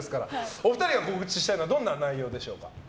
お二人が告知したいのはどんな内容でしょうか。